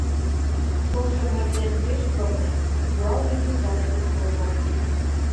Шошым эрден пеш сылне, Юалге южат куштылго…